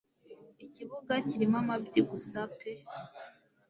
Ikibuga kirimo amabyi gusa pe